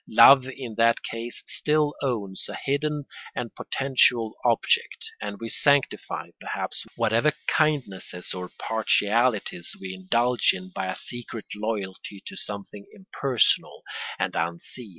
Love in that case still owns a hidden and potential object, and we sanctify, perhaps, whatever kindnesses or partialities we indulge in by a secret loyalty to something impersonal and unseen.